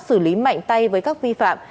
xử lý mạnh tay với các vi phạm